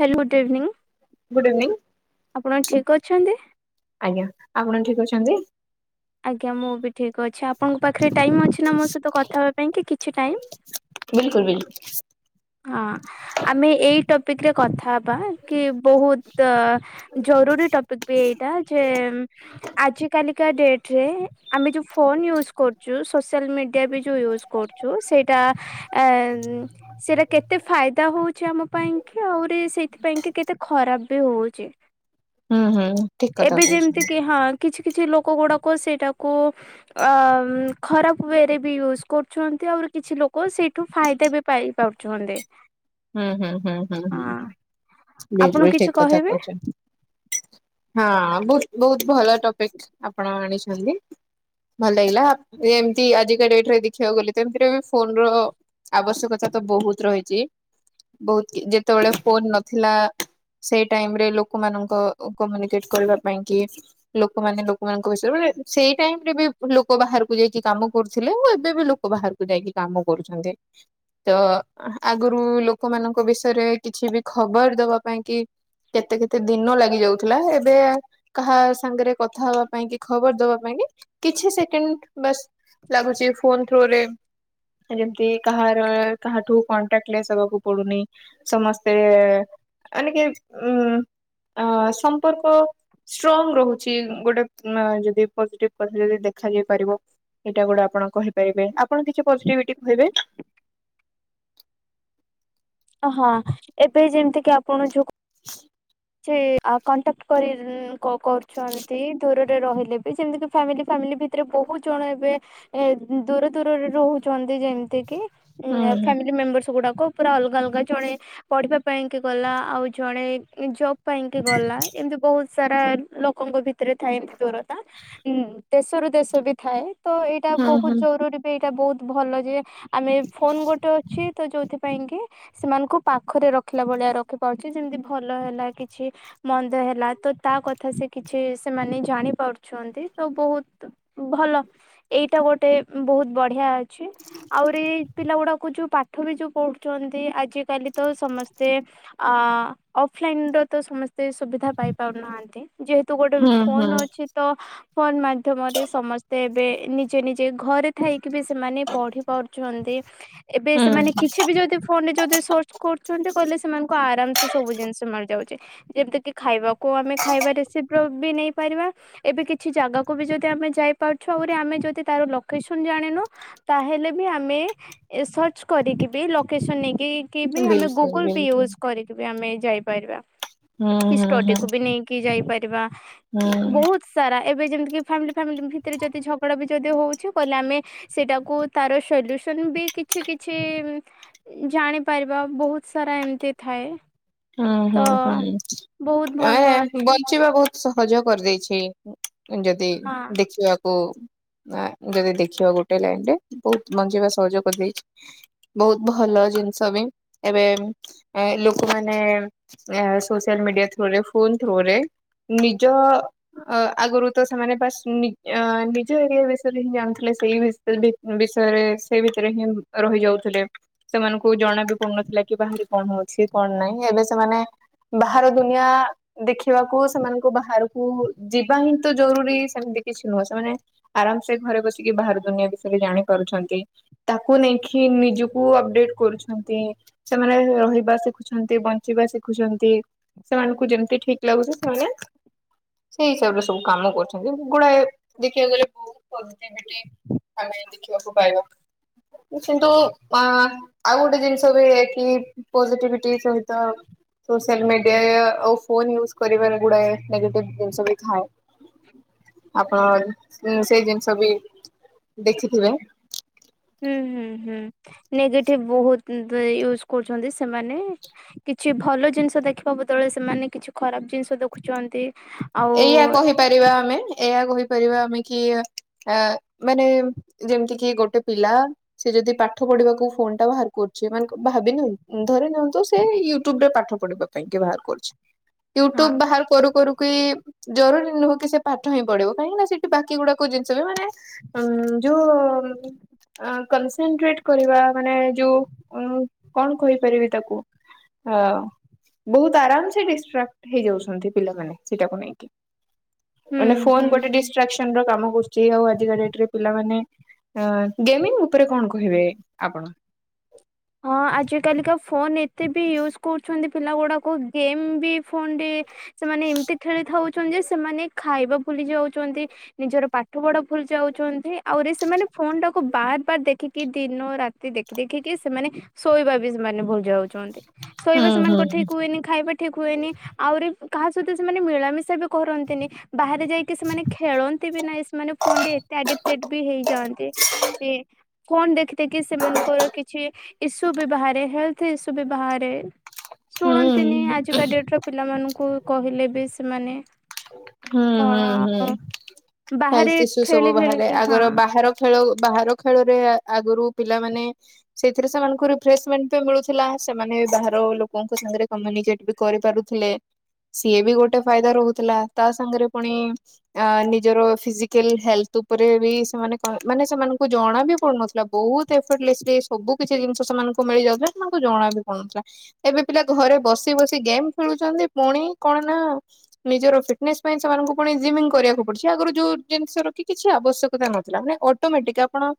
Hello good evening good evening ଆପଣ ଠିକ ଅଛନ୍ତି। ଆଜ୍ଞା ଆପଣ ଠିକ ଅଛନ୍ତି? ଆଜ୍ଞା ମୁଁ ବି ଠିକ୍ ଅଛି ଆପଣଙ୍କ ପାଖରେ ଟାଇମ୍ ଅଛି ନା ମୋ ସହିତ କଥା ହେବା ପାଇଁ କି କିଛି ଟାଇମ୍? ବିଲକୁଲ ବିଲକୁଲ। ହଁ ଆମେ ଏଇ ଟପିକରେ କଥା ହବା କି ବହୁତ ଜରୁରୀ ଟପିକ ବି ଏଇଟା ଯେ ଆଜ କାଲିକା ଡେଟ ରେ ଆମେ ଯୋଉ ଫୋନ ୟୁଜ୍ କରୁ ଯୋଉ ସୋସିଆଲ୍ ମିଡ଼ିଆ ବି ଯୋଉ ୟୁଜ୍ କରୁଛୁ ସେଇଟା ଏ ସେଇଟା କେତେ ଫାଇଦା ହଉଛି ଆମ ପାଇଁ କି ଆହୁରି ସେଇଥିପାଇଁ କି କେତେ ଖରାପ ବି ହଉଛି। ହୁଁ ହୁଁ ଠିକ କଥା ଏବେ ଯେମିତି କହିଛନ୍ତି କି ହଁ କିଛି କିଛି ଲୋକ ଗୁଡାକ ସେଇଟାକୁ ଅ ଖରାପ ୱେରେ ବି ୟୁଜ୍ କରୁଛନ୍ତି ଆହୁରି କିଛି ଲୋକ ସେଇଠୁ ଫାଇଦା ବି ପାଇ ପାରୁଛନ୍ତି। ହୁଁ ହୁଁ ହୁଁ ହୁଁ ହଁ ହୁଁ ହୁଁ ଆପଣ ବିଲକୁଲ କିଛି ଠିକ କଥା କହିବେ କହୁଛନ୍ତି। ହଁ ବହୁତ୍ ବହୁତ ଭଲ ଟପିକ ଆପଣ ଆଣିଛନ୍ତି। ଭଲ ଲାଗିଲା ଏମିତି ଆଜିକା ଡେଟରେ ଦେଖିବାକୁ ଗଲେ ଏମିତିରେ ବି ଫୋନ ର। ଆବଶ୍ୟକତା ତ ବହୁତ ରହିଛି। ବହୁତ ଯେତେବେଳେ ଫୋନ ନଥିଲା। ସେଇ ଟାଇମରେ ଲୋକମାନଙ୍କ ଅ କମ୍ୟୁନିକେଟ କରିବା ପାଇଁ କି ଲୋକମାନେ ଲୋକମାନଙ୍କ ବିଷୟରେ ସେଇ ଟାଇମ ରେ ବି ଲୋକ ବାହାରକୁ ଯାଇକି କାମ କରୁଥିଲେ ଆଉ ଏବେ ବି ଲୋକ ବାହାରକୁ ଯାଇକି କାମ କରୁଛନ୍ତି ତ ଆ ଗୁରୁ ଲୋକମାନଙ୍କ ବିଷୟରେ କିଛି ବି ଖବର ଦବା ପାଇଁ କି କେତେ କେତେ ଦିନ ଲାଗି ଯାଉଥିଲା ଏବେ କାହା ସାଙ୍ଗରେ କଥା ହବା ପାଇଁ କି ଖବର ଦବା ପାଇଁ କି କିଛି ସେକେଣ୍ଡ ବାସ ଲାଗୁଛି ଫୋନ ଥ୍ରୋରେ ଯେମିତି କାହାର କାହାଠୁ କଣ୍ଟାକ୍ଟ କ୍ଳେଶ ହବାକୁ ପଡୁନି ସମସ୍ତେ ମାନେ କି ଉଁ। ଆ ସମ୍ପର୍କ ଷ୍ଟ୍ରଙ୍ଗ ରହୁଛି ଗୋଟେ ମ ଯଦି ପଜିଟିଭ କଥା ଯଦି ଦେଖାଯାଇ ପାରିବ। ଏଇଟା ଗୋଟେ ଆପଣ କହିପାରିବେ ଆପଣ କିଛି ପଜିଟିଭିଟି କହିବେ। ହଁ ଏବେ ଯେମିତି କିି ଆପଣ ଯୋଉ [inaudible] ଚି ଆଉ କଣ୍ଟାକ୍ଟ କରି କ କ କରୁଛନ୍ତି ଦୂରରେ ରହିଲେ ଯେମିତି କି ଫାମିଲି ଫାମିଲି ଭିତରେ ବହୁତ ଜଣ ଏବେ। ଏ ଦୂର ଦୂରରେ ରହୁଛନ୍ତି ଯେମିତି କିି ଉଁ ହୁଁ ଆ ଫ୍ୟାମିଲି ମେମ୍ବର ସବୁ ଗୁଡାକ ପୁରା ଅଲଗା ଅଲଗା ଜଣେ ପଢିବା ପାଇଁ କି ଗଲା ଆଉ ଜଣେ ଜବ ପାଇଁକି ଗଲା ଏମିତି ବହୁତ ସାରା ଲୋକଙ୍କ ଭିତରେ ଥାଏ ଏମିତି ଦୂରତା। ଉଁ ଦେଶରୁ ଦେଶ ବି ଥାଏ ତ ଏଇଟା ହୁଁ ହୁଁ ବହୁତ ହୁଁ ଜରୁରୀ। ସେଇଟା ବହୁତ ଭଲ ଯେ ଆମେ ଫୋନ ଗୋଟେ ଅଛି ତ ଯୋଉଥିପାଇଁ କି ସେମାନଙ୍କୁ ପାଖରେ ରଖିଲା ଭଳିଆ ରଖିପାରୁଛି ଯେମିତି ଭଲ ହେଲା କିଛି। ମନ୍ଦ ହେଲା ତ ତା କଥା ସେ କିଛି ସେମାନେ ଜାଣି ପାରୁଛନ୍ତି ତ ବହୁତ ଭଲ ଏଇଟା ଗୋଟେ ବହୁତ ବଢିଆ ଅଛି ଆହୁରି ପିଲା ଗୁଡାକୁ ଯୋଉ ପା ଠ ବି ଯୋଉ ପଢୁଛନ୍ତି ଆଜିକାଲି ତ ସମସ୍ତେ ଆ ଅଫଲାଇନ ର ତ ସମସ୍ତେ ସୁବିଧା ପାଇପାରୁନାହାନ୍ତି ଯେହେତୁ ଗୋଟେ ଫୋନ ଅଛି ତ ଫୋନ ମାଧ୍ୟମରେ ସମସ୍ତେ ଏବେ ନିଜେ ନିଜେ ଘରେ କଥା ହେଇକି ବି ସେମାନେ ପଢି ପାରୁଛନ୍ତି ଏବେ ସେମାନେ କିଛି ବି ଯଦି ଫୋନ ରେ ଯଦି ସର୍ଚ୍ଚ କରୁଛନ୍ତି କହିଲେ ସେମାନଙ୍କୁ ଆରାମ ସେ ସବୁ ଜିନିଷ ମିଳିଯାଉଛି ଯେମିତି କି ଖାଇବା କୁ ଆମେ ଖାଇବା ରେସିପର ବି ନେଇ ପାରିବା ଏବେ କିଛି ଜାଗାକୁ ବି ଯଦି ଆମେ ଯାଇପାରୁଛୁ ଆହୁରି ଆମେ ଯଦି ତାର ଲୋକେସନ ଜାଣିନୁ ତାହେଲେ ବି ଆମେ ଏ ସର୍ଚ୍ଚ କରିକି ବି ଲୋକେସନ ନେଇକି କିବି ଆମେ ଗୁଗୁଲ ପେ ୟୁଜ୍ କରି ବି ଆମେ ଯାଇପାରିବା କି ଷ୍ଟଡିକୁୁ ବି ନେଇକି ଯାଇପାରିବା କି ବହୁତ ସାରା ଏବେ ଯେମିତିି ମି ଫାମିଲି ଫାମିଲି ଭିତରେ ଯଦି ଝଗଡ଼ା ବି ଯଦି ହଉଛି କହିଲେ ଆମେ ସେଟାକୁ ତାର ସଲ୍ୟୁସନ ବି କିଛି କିଛି ଉଁ। ଜାଣିପାରିବା ବହୁତ ସାରା ଏମିତି ଥାଏ। ହୁଁ ତ ହୁଁ ହୁଁ ବହୁତ ଭଲ ଆଁଏ ଅଛି। ବଞ୍ଚିବା ବହୁତ୍ ସହଜ କରିଦେଇଛି ଯଦି ହଁ ଦେଖିବାକୁ ନା ଯଦି ଦେଖିବା ଗୋଟେ ଲାଇନ ରେ ବହୁତ ବଞ୍ଚିବା ସହଜ କରି ଦେଇଛି। ବହୁତ ଭଲ ଜିନିଷ ବି ଏବେ ଏ ଲୋକମା ମାନେ ଏ ସୋସିଆଲ ମିଡିଆ ଥ୍ରୋରେ ଫୋନ ଥ୍ରୋରେ ନିଜ ଅ ଆଗରୁ ତ ସେମାନେ ବାସ ନି ଅ ନିଜ ଏରିଆ ବିଷୟରେ ହିଁ ଜାଣୁଥିଲେ ସେଇ ବିଷ ବିପ ବିଷୟରେ ସେଇ ଭିତରେ ହିଁ ରହି ଯାଉଥିଲେ। ସେମାନଙ୍କୁ ଜଣା ବି ପଡୁନଥିଲା କି ବାହାରେ କଣ ହଉଛି କଣ ନାହିଁ ଏବେ ସେମାନେ ବାହାର ଦୁନିଆ ଦେଖିବାକୁ ସେମାନଙ୍କୁ ବାହାରକୁ ଯିବା ହିଁ ତ ଜରୁରୀ ସେମିତି କିଛି ନୁହେଁ ସେମାନେ ଆରାମସେ ଘରେ ବସିକି ବାହାର ଦୁନିଆ ବିଷୟରେ ଜାଣିପାରୁଛନ୍ତି। ତାକୁ ନେଇକି ନିଜକୁ ଅପଡେଟ କରୁଛନ୍ତି ସେମାନେ ରହିବା ଶିଖୁଛ ନ୍ତି ବଞ୍ଚିବା ଶିଖୁଛନ୍ତି ସେମାନଙ୍କୁ ଯେମିତି ଠିକ ଲାଗୁଛି ସେମାନେ ସେଇ ହିସାବ ରେ ସବୁ କାମ କରୁଛନ୍ତି ଗୋଡାଏ ଦେଖିବାକୁ ଗଲେ ବହୁ ପଜିଟିଭିଟି। ଆମେ ଦେଖିବାକୁ ପାଇବା। କିନ୍ତୁ ଆଁ ଆଉ ଗୋଟେ ଜିନିଷ ବି ଏଠି ପଜିଟିଭିଟି ସହି ତ ସୋସିଆଲ ମିଡିଆ ଓ ଫୋନ ୟୁଜ କରିବାରେ ଗୁଡାଏ ନେଗେଟିଭ ଜିନିଷ ବି ଥାଏ। ଆପଣ ସେଇ ଜିନିଷ ବି ଦେଖିଥିବେ। ହୁଁ ହୁଁ ହୁଁ ନେଗେଟିଭ ବହୁତ ୟୁଜ କରୁଛନ୍ତି ସେମାନେ। କିଛି ଭଲ ଜିନିଷ ଦେଖିବା ବଦଳ ସେମାନେ କିଛି ଖରାପ ଜିନିଷ ଦେଖୁଛନ୍ତି ଆ ଏହିଆ କହିପାରିବା ଆମେ ଏହା କହିପାରିବା ଆମେ କି ଆ ମାନେ ଯେମିତି କି ଗୋଟେ ପିଲା ସେ ଯଦି ପାଠ ପଢିବାକୁ ଫୋନ ଟା ବାହାର କରୁଛି ମାନ୍ ଭାବିନିଅ ଧରି ନିଅନ୍ତୁ ସେ ୟୁଟ୍ୟୁବ ରେ ପାଠ ପଢିବାକୁ ତାଙ୍କେ ବାହାର କରୁଛି ହଁ ୟୁଟ୍ୟୁବ ବାହାର କରୁ କରୁ କି ଜରୁରୀ ନୁହଁ କି ସେ ପାଠ ହିଁ ପଢିବ। କାହିଁକି ନା ସେଠି ବାକି ଗୋଡାକ ଜିନଷ ବି ମାନେ ଉଁ ଯୋଉ କନସେନଟ୍ରେଟ କରିବା ମାନେ ଯୋଉ କଣ କହିପାରିବି ତାକୁ। ହଁ, ବହୁତ ଆରାମ ସେ ଡିଷ୍ଟ୍ରାକ୍ଟ ହେଇଯାଉଛନ୍ତି ପିଲାମାନେ ସେଇଟାକୁ ନେଇ। ହୁଁ ମାନେ ହୁଁ ଫୋନ ଗୋଟେ ହୁଁ। ଡି୍ରାକ୍ସନ ର କାମ କରୁଛି ଆଉ ଆଜା ଡେଟରେ ପିଲାମାନେ ଗେମିଙ୍ଗ ଉପରେ କଣ କହିବେ ଆପଣ? ହଁ ଆଜିକାଲିକା ଫୋନ ଏତେ ବି ୟୁଜ୍ କରୁଛନ୍ତି ପିଲା ଗୁଡ଼ାକ ଗେମ୍ ବି ଫୋନରେ ସେମାନେ ଏମିତି ଖେଳିଥାଉଛନ୍ତି ଯେ ସେମାନେ ଖାଇବା ଭୁଲି ଯାଉଛନ୍ତି। ନିଜର ପାଠ ପଢା ଭୁଲି ଯାଉଛନ୍ତି। ଆହୁରି ସେମାନେ ଫୋନ ଟାକୁ ବାର ବାର ଦେଖିକି ଦିନ ରାତି ଦେଖ ଦେଖିକି ସେମାନେ ଶୋଇବା ବି ସେମାନେ ଭୁଲି ଯାଉଛନ୍ତି। ହୁଁ ଶୋଇବା ହୁଁ ସେମାନଙ୍କ ହୁଁ ଠିକ୍ ହୁଏନି ଖାଇବା ଠିକ୍ ହୁଏନି ଆହୁରି କାହା ସହିତ ସେମାନେ ମିଳାମିଶା ବି କରନ୍ତିନି ବାହାରେ ଯାଇକି ସେମାନେ ଖେଳନ୍ତି ବି ନାହିଁ ସେମାନେ ଫୋନ ରେ ଏତେ ଆଡିକଟେଡ ବି ହେଇଯାଆନ୍ତି। ଫୋନ୍ ଦେଖି ଦେଖି କି ସେମାନଙ୍କର କିଛି ଇସୁ ବି ବାହାରେ। ହେଲ୍ ଥବି ବାହାରେ ହୁଁ ଶୁଣନ୍ତିନି ଆଜିକା ଡେଟରେ ପିଲାମାନଙ୍କୁ କହିଲେ ବି ସେମାନେ ହୁଁ, କଣ ହୁଁ, ହୁଁ ବାହାରେ ହେଲଥ ଇସୁ ସବୁ ଖେଳି ବାହାରେ ଖେଳିକି ହଁ ଆଗର ବାହାର ଖେଳ ବାହାର ଖେଳରେ ଆଗରୁ ପିଲାମାନେ ସେଥିରେ ସେମାନଙ୍କୁ ରିଫ୍ରସମେଣ୍ଟ ବି ମିଳୁଥିଲା ସେମାନେ ବାହାର ଲୋକଙ୍କ ସାଙ୍ଗରେ କମ୍ୟୁନିକେଟ କରିପାରୁଥିଲେ ସିଏ ବି ଗୋଟେ ଫାଇଦା ରହୁଥିଲେ। ତା ସାଙ୍ଗରେ ପୁଣି ଆ ନିଜର ଫିଜିକାଲ ହେଲ୍ଥ ଉପରେ ବି ସେମାନେ ମାନେ ସେମାନଙ୍କୁ ଜଣା ବି ପଡୁନଥିଲା। ବହୁତ ସବୁ କିଛି ଜିନିଷ ସେମାନଙ୍କୁ ମିଳି ଯାଉଥିଲା ସେମାନଙ୍କୁ ଜଣା ବି ପଡୁନଥିଲା। ଏବେ ପିଲା ଘରେ ବସି ବସି ଗେମ୍ ଖେଳୁଛନ୍ତି। ପୁଣି କଣ ନା ନିଜର ଫ ପାଇଁ ସେମାନଙ୍କୁ ପୁଣି ଜିମିଙ୍ଗ କରିବାକୁ ପଡିଛି ଆଗରୁ ଯୋଉ ଜିନିଷ ରଖି କିଛି ଆବଶ୍ୟକତା ନଥିଲା। ମାନେ ଅଟୋମେଟିକ ଆପଣ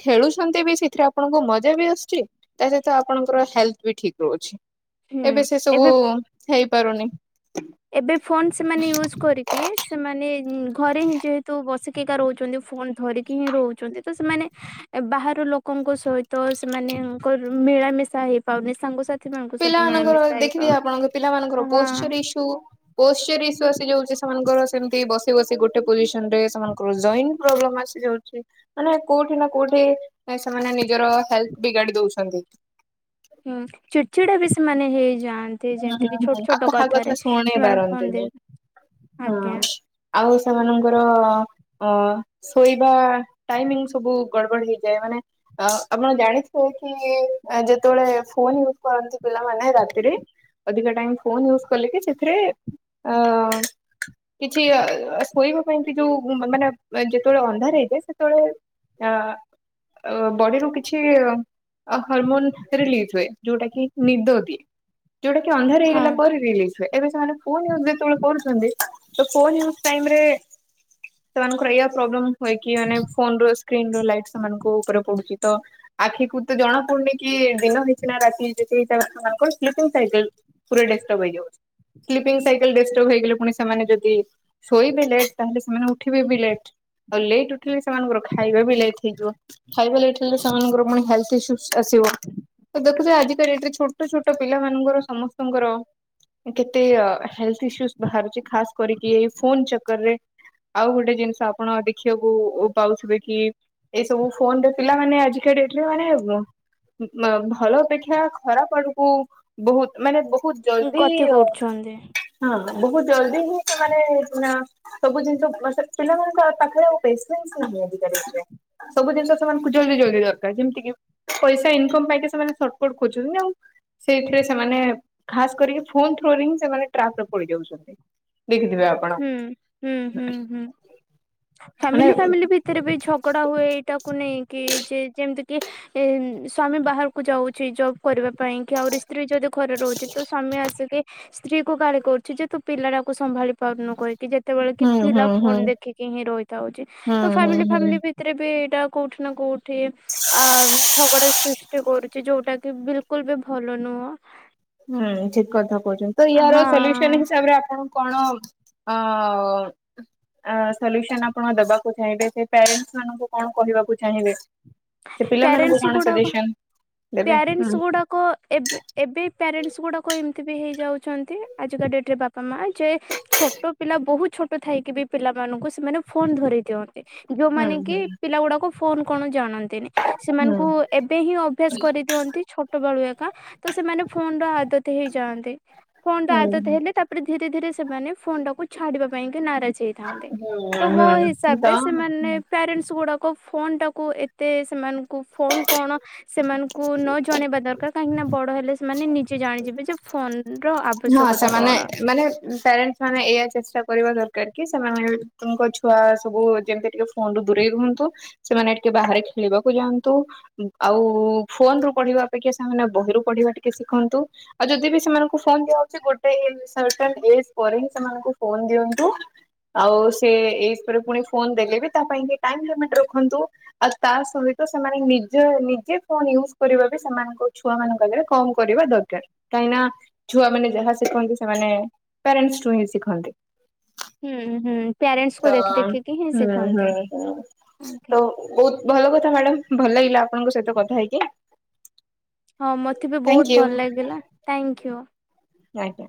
ଖେଳୁଛନ୍ତି ବି ସେଥିରେ ଆପଣଙ୍କୁ ମଜା ବି ଆସୁଛି। ତା ସହିତ ଆପଣଙ୍କର ହେଲ୍ଥ ବି ଠିକ୍ ରହୁଛି ଏବେ ସେ ସବୁ ହେଇପାରୁନି। ଏବେ ଫୋନ ସେମାନେ ୟୁଜ କରିକି ସେମାନେ ଘରେ ହିଁ ଯେହେତୁ ବସି କିକା ରହୁଛନ୍ତି ଫୋନ ଧରିକି ହିଁ ରହୁଛନ୍ତି। ତ ସେମାନେ ବାହାର ଲୋକଙ୍କ ସହିତ ସେମାନଙ୍କ ମିଳାମିଶା ହେଇପାରୁନି ସାଙ୍ଗସାଥି ମାନଙ୍କ ସହିତ ପିଲାମାନଙ୍କର ମିଳାମିଶା ଦେଖିବି ହେଇପାରୁନି ଆପଣଙ୍କ ପିଲାମାନଙ୍କର ହଁ ପୋଷଚର ଇସୁ। ପୋର ଇସୁ ଆସି ଯାଉଛି ସେମାନଙ୍କର ସେମିତି ବସି ବସି ଗୋଟେ ପୋଜିସନ ରେ ସେମାନଙ୍କର ଜଏନ୍ତା। ମାନେ କୋଉଠି ନା କୋଉଠି ସେମାନେ ନିଜର ହେଲ୍ଥ ବିଗାଡି ଦଉଛନ୍ତି। ହୁଁ। ଚିଡ଼ଚିଡା ବି ସେମାନେ ହେଇଯାଆନ୍ତି ହୁଁ ହୁଁ ଯେମିତି କି ହୁଁ। ଛୋଟ ଛୋଟ ଆଉ କାହା କଥାରେ କଥା ଶୁଣି ସେମାନେ ହୁଅନ୍ତି। ପାରନ୍ତିନି ହଁ ଆଜ୍ଞା। ଆଉ ସେମାନଙ୍କର ଅ ଶୋଇବା ଟାଇମ୍ ଆପଣ ଜାଣିଥିବେ କି ଯେତେବେଳେ ଫୋନ ୟୁଜ କରନ୍ତି। ପିଲାମାନେ ରାତିରେ। ଅଧିକ ଟାଇମ୍ ଫୋନ୍ ୟୋଜ କଲେବି। ସେଥିରେ ଆଁ କିଛି ଶୋଇବା ପାଇଁ କି ଯୋଉ ମାନେ। ଯେତେବେଳେ ଅନ୍ଧାର ହେଇଯାଏ। ସେତେବେଳେ ହଁ। ଅ ବଡିରୁ କିଛି ହରମୋନ ରିଲିଜ ହୁଏ। ଯୋଉଟା କି ନିଦ ଦିଏ। ଯୋଉଟା କି ଅନ୍ଧାର ହେଇଗଲା ହଁ ପରେ ରିଲିଜ ହୁଏ। ଏବେ ସେମାନେ ଯେତେବେଳେ କରୁଛନ୍ତି। ତ ଫୋନାଇରେ, ସେମାନଙ୍କର ଏଇଆ ପ୍ରୋବ୍ଲେମ ହୁଏ କି? ମାନେ ଫୋନ ର ସ୍କ୍ରନ ର ଲାଇଟ୍ ସେମାନଙ୍କ ଉପରେ ପଡୁଛି। ତ ଆଖିକୁ ତ ଜଣା ପଡୁନି କି ଦିନ ହେଇଛି ନା ରାତି। କଣ ସ୍ଲିପିଙ୍ଗ ସାଇକଲ ପୁରା ଡିଷ୍ଟର୍ବ ହେଇଯାଉଛି। ସ୍ଲିପିଙ୍ଗ ସାଇକେଲ ଡିଷ୍ଟର୍ବ ହେଇଗଲେ, ପୁଣି ସେମାନେ ଯଦି ଶୋଇବେ ଲେଟ୍। ତାହେଲେ ସେମାନେ ଉଠିବେ ବି ଲେଟ୍। ଆଉ ଲେଟ୍ ଉଠିଲି, ସେମାନଙ୍କର ଖାଇବା ବି ଲେଟ୍ ହେଇଯିବ। ଖାଇବା ଲେଟ ସେମାନଙ୍କର ପୁଣି ହେଲଥ ଇସ୍ୟୁ ଆସିବ। ଦେଖୁଛ ଆଜି ଏଠି ଛୋଟ ଛୋଟ ପିଲା ମାନଙ୍କର ସମସ୍ତଙ୍କର କେତେ ହେଲଥ ଇସୁ ବାହାରୁଛି। ଖାସ କରିକି, ଏଇ ଫୋନ ଚକରେ। ଆଉ ଗୋଟେ ଜିନିଷ, ଆପଣ ଦେଖିବାକୁ ପାଉଥିବେ କି। ଏଇ ସବୁ ଫୋନରେ, ପିଲାମାନେ ଆଜିକା ଡେଟରେ। ମାନେ ଭଲ ଅପେକ୍ଷା ବା ଖରାପ ଆଡକୁ ବହୁତ ମାନେ ବହୁତ ଜଲଦି ଗତି ହଁ କରୁଛନ୍ତି ବହୁତ ଜଲଦି ହିଁ ସେମାନେ ଅଁ ସବୁ ଜିନିଷ ବସ ପିଲାମାନଙ୍କ ପାଖରେ ଆଉ ପେସେନ୍ସ ନାହିଁ ଆଜିକା ଡେଟ୍ ରେ। ସବୁ ଜିନିଷ ସେମାନଙ୍କୁ ଜଲଦି ଜଲଦି ଦରକାର। ଯେମିତି ପଇସା ଇନକମ ପାଇକି ସେମାନେ କଣ ଖୋଜୁନି ଆଉ। ସେଇଥିରେ ସେମାନେ ଖାସ କରିକି ଫୋନ ଥ୍ରୁରେ ହିଁ ସେମାନେ ଟ୍ରାକରେ ପଡି ଯାଉଛନ୍ତି। ଦେଖିଥିବେ ଆଉ। ହୁଁ, ହୁଁ, ହୁଁ, ହୁଁ ମାନେ ଫ୍ୟାମିଲି ଫ୍ୟାମିଲି ଭି ତିରେ ବି ଝଗଡା ହୁଏ ଏଇଟାକୁ ନେଇକି। ଯେ ଯେମିତି କି ଏ ସ୍ଵାମୀ ବାହାରକୁ ଯାଉଛି ଯଉ କରିବା ପାଇଁ କି ଆହୁରି ସ୍ତ୍ରୀ ଯଦି ଘରେ ରହୁଛି, ତ ସ୍ୱାମୀ ଆସିକି ସ୍ତ୍ରୀ କୁ ଗାଳି କରୁଚି ଯେ, ତୁ ପିଲାଟାକୁ ସମ୍ଭାଳି ପାରୁନୁ କହିି। କି ଯେତେବେଳେ କି ହୁଁ ପିଲା ହୁଁ ହୁଁ ଫୋନ ଦେଖିକି ହିଁ ରହିଥାଉଛି। ହୁଁ ତ ହୁଁ ଫ୍ୟାମିଲି, ହୁଁ। ଫ୍ୟାମିଲି ଭି ତେରେ ବି ଏଇଟା କୋଉଠି ନା କୋଉଠି, ଅ ଝଗଡା ସୃଷ୍ଟି କରୁଛି। ଯୋଉଟା କି ବିଲକୁଲ ବି ଭଲ ନୁହଁ। ହୁଁ ଉଚିତ କଥା କହୁଛନ୍ତି। ତ ହଁ ୟାର ସଲ୍ୟୁସନ ହିସାବରେ ଆପଣ କଣ ଅ ସଲ୍ୟୁସନ ଆପଣ ଦେବାକୁ ଚାହିଁବେ। ସେ ପ୍ୟାରେଣ୍ଟସ ମାନଙ୍କୁ କଣ କହିବାକୁ ଚାହିଁବେ? ସେ ପିଲାମାନଙ୍କୁ ପ୍ୟାରେଣ୍ଟସ କଣ ସଜେସନ ଦେବେ, ହୁଁ। କ ଏବେ ଏବେ ପ୍ୟାରେଣ୍ଟସ୍ ଗୁଡାକ ଏମିତି ବି ହେଇଯାଉଛନ୍ତି, ଆଜିକା ଡେଟ୍ ରେ ବାପା ମା। ଯେ ଛୋଟ ପିଲା ବହୁତ ଛୋଟ ଥାଇକି ବି ପିଲାମାନଙ୍କୁ ସେମାନେ ଫୋନ ଧରେଇ ଦିଅନ୍ତ। ଯୋଉ ହୁଁ ମାନେ କି ହୁଁ ପିଲା ଗୁଡାକୁ ଫୋନ କଣ ଜାଣନ୍ତିନି। ହୁଁ ସେମାନଙ୍କୁ ଏବେ ହିଁ ଅଭ୍ୟାସ କରିଦିଅନ୍ତି ଛୋଟ ବେଳୁ ଏକା। ତ ସେମାନେ ଫୋନ ର ଆଦତ ହେଇଯାଆନ୍ତି। ଫୋନ ର ହୁଁ ଆଦତ ହେଲେ ତା ଧୀରେ ଧୀରେ ସେମାନେ ଫୋନ୍ ଟାକୁ ଛାଡିବା ପାଇଁ କା ନାରାଜ ହେଇ ଥାଆନ୍ତି, ତ ମୋ ହୁଁ ହୁଁ ହିସାବ ତ ରେ ସେମାନେ ପ୍ୟାରେଣ୍ଟସ୍ ଗୁଡା ଫୋନ ଟାକୁ ଏତେ ସେମାନଙ୍କୁ ଫୋନ କଣ, ସେମାନଙ୍କୁ ନ ଜଣେଇବା ଦରକାର। କାହିଁକି ନା ବଡ ହେଲେ ସେମାନେ ନିଜେ ଜାଣିଯିବେ ଯେ ଫୋନ ର ହଁ ଆବଶ୍ୟକତା ସେମାନେ କଣ। ମାନେ ପ୍ୟାରେଣ୍ଟସ୍ ମାନେ ଏଇଆ ଚେଷ୍ଟା କରିବା ଦରକାର କି, ସେମାନେଙ୍କ ଛୁଆ ସବୁ ଯେମିତି ଟିକେ ଫୋନରୁ ଦୂରେଇ ରୁହନ୍ତୁ, ସେମାନେ ଟିକେ ବାହାରେ ଖେଳିବାକୁ ଯାଆନ୍ତୁ। ଆଉ ଫୋନ ରୁ ପଢିବା ଅପେକ୍ଷା ସେମାନେ ବହିରୁ ପଢିବା ଟିକେ ଶିଖନ୍ତୁ। ଆଉ ଯଦି ବି ସେମାନଙ୍କୁ ଫୋନ୍ ଦିଆହଉଚି ଗୋଟେ ଇଏ ହିସାବରେ, ଡ୍ରେସ ପରେ ହିଁ ସେମାନଙ୍କୁ ଫୋନ ଦିଅନ୍ତୁ। ଆଉ ସେ ଏଜ୍ ପରେ ପୁଣି ଫୋନ ଦେଲେ ବି ତା ପାଇଁ ଟାଇମ ଲିମିଟ ରଖନ୍ତୁ। ଆଉ ତା ସହିତ ସେମାନେ ନିଜ ନିଜେ ଫୋନ ୟୁଜ କରିବା ବି ସେମାନଙ୍କ ଛୁଆ ମାନଙ୍କ ଆଗରେ କମ କରିବା ଦରକାର, କାହିଁକିନା ଛୁଆମାନୋନେ ଯାହା ଶିଖନ୍ତି, ସେମାନେ ପ୍ୟାରେଣ୍ଟେସଠୁ ହିଁ ଶିଖନ୍ତି। ହୁଁ ହୁଁ ପ୍ୟାରେଣ୍ଟସ୍ କୁ ତ ଦେଖି ଦେଖିକି ହିଁ ହୁଁ ଶିଖନ୍ତି। ହୁଁ ହୁଁ ଆଜ୍ଞା ତ ବହୁତ ଭଲ କଥା ମ୍ୟାଡାାମ୍। ଭଲ ଲାଗିଲା ଆପଣଙ୍କ ସହିତ କଥା ହେଇକି। ହଁ ମୋତେ ବି ଥ୍ୟାଙ୍କ ବହୁତ ୟୁ ଭଲ ଲାଗିଲା ଥ୍ୟାଙ୍କ ୟୁ। ଆଜ୍ଞା।